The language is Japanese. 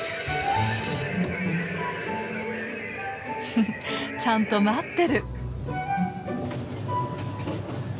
フフちゃんと待ってる。